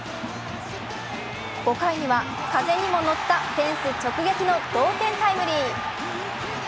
５回には風にも乗ったフェンス直撃の同点タイムリー。